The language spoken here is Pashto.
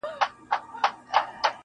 • ناوړه طبیب -